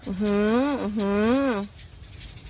อื้อฮืออื้อฮือ